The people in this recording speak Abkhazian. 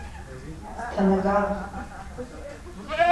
Сҭанагалахт.